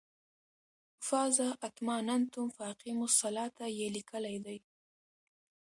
"فاذا اظماننتم فاقیموالصلواته" یې لیکلی دی.